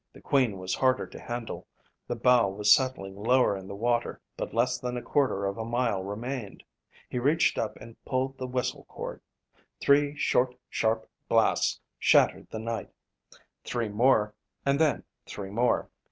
The Queen was harder to handle, the bow was settling lower in the water but less than a quarter of a mile remained. He reached up and pulled the whistle cord. Three short, sharp blasts shattered the night. Three more and then three more.